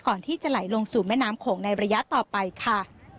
ก่อนที่จะไหลลงสู่แม่น้ำโขงในระยะต่อไปค่ะ